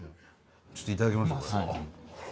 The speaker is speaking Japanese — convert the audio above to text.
ちょっといただきます。